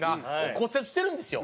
骨折してるんですよ。